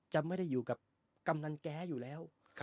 จะไม่ได้อยู่กับกำนันแก๊อยู่แล้ว